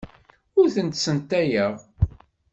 Ur tent-ssentayeɣ.